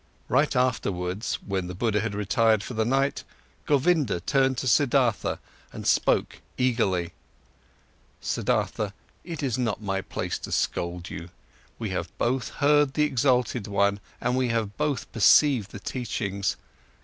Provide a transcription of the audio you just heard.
Right afterwards, when the Buddha had retired for the night, Govinda turned to Siddhartha and spoke eagerly: "Siddhartha, it is not my place to scold you. We have both heard the exalted one, we have both perceived the teachings.